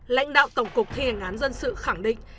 lãnh đạo tổng cục thi hành án dân sự khẳng định